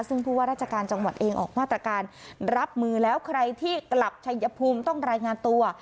ซึ่งผู้ว่าราชการจังหวัดเองออกมาตรการรับมือแล้วใครที่กลับชัยภูมิต้องรายงานตัว